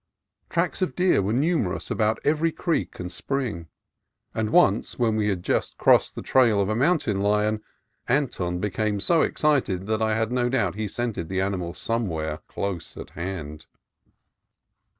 Tracks of deer were numerous about every creek and spring, and once, when we had just crossed the trail of a mountain lion, Anton became so excited that I had SUPERB TREES 205 no doubt he scented the animal somewhere close at hand.